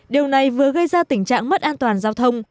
điều này vừa gây ra tình trạng mất an toàn giao thông